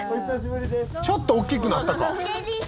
ちょっと大きくなったか。